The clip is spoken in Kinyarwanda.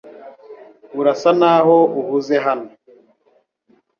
Urasa naho uhuze hano .